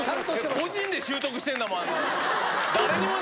個人で習得してるんだもん、あんな。